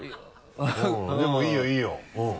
でもいいよいいようん。